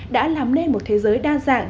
đã làm nên một thế giới đa dạng